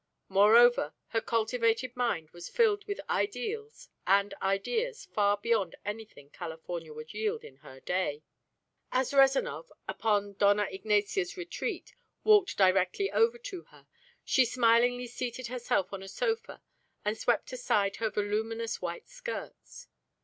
Moreover, her cultivated mind was filled with ideals and ideas far beyond anything California would yield in her day. As Rezanov, upon Dona Ignacia's retreat, walked directly over to her, she smilingly seated herself on a sofa and swept aside her voluminous white skirts.